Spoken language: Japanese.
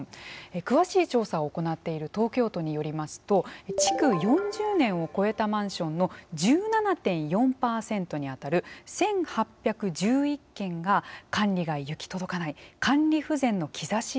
詳しい調査を行っている東京都によりますと築４０年を超えたマンションの１７．４％にあたる１，８１１件が管理が行き届かない管理不全の兆しがあるということなんですね。